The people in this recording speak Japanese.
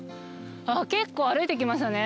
結構歩いてきましたね。